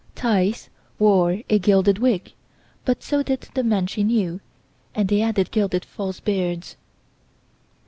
Thaïs wore a gilded wig, but so did the men she knew, and they added gilded false beards.